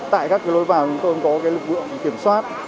tại các lối vào chúng tôi cũng có lực lượng kiểm soát